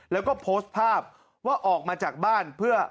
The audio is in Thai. แล้วก็โพสต์ภาพว่าออกมาจากบ้านเพื่อ